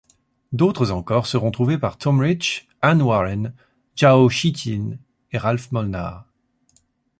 D'autres encore seront trouvés par Tom Rich, Anne Warren, Zhao Xijin et Ralph Molnar.